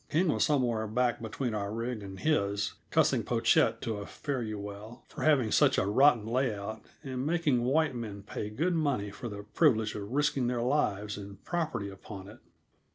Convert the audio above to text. King was somewhere back between our rig and his, cussing Pochette to a fare you well for having such a rotten layout and making white men pay good money for the privilege of risking their lives and property upon it.